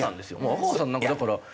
阿川さんなんかだから。